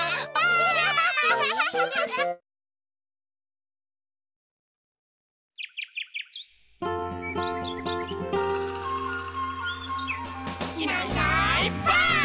「いないいないばあっ！」